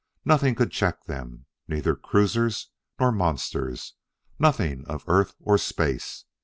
Nothing could check them; neither cruisers nor monsters; nothing of earth or of space.